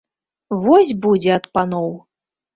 Вось будзе ад паноў!